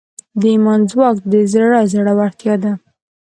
د ایمان ځواک د زړه زړورتیا ده.